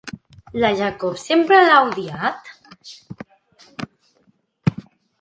La Jacobè sempre l'ha odiat?